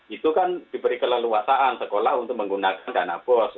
itu kan diberi keleluasaan sekolah untuk menggunakan dana bos